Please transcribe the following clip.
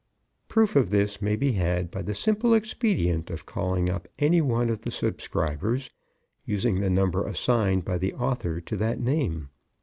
Proof of this may be had by the simple expedient of calling up any one of the subscribers, using the number assigned by the author to that name.